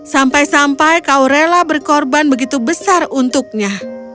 sampai sampai kau rela berkorban begitu besar untuknya